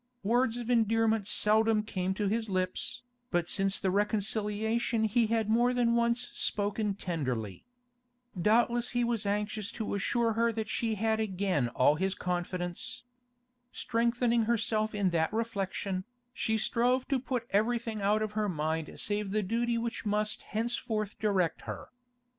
Words of endearment seldom came to his lips, but since the reconciliation he had more than once spoken tenderly. Doubtless he was anxious to assure her that she had again all his confidence. Strengthening herself in that reflection, she strove to put everything out of her mind save the duty which must henceforth direct her.